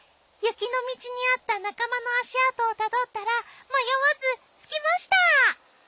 雪の道にあった仲間の足跡をたどったら迷わず着きました！